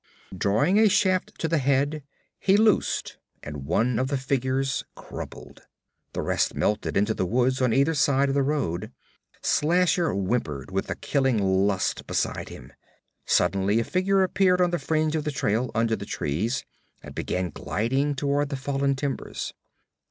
Drawing a shaft to the head, he loosed and one of the figures crumpled. The rest melted into the woods on either side of the road. Slasher whimpered with the killing lust beside him. Suddenly a figure appeared on the fringe of the trail, under the trees, and began gliding toward the fallen timbers.